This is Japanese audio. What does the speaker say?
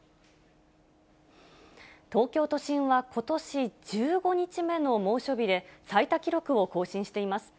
東京都心はことし１５日目の猛暑日で、最多記録を更新しています。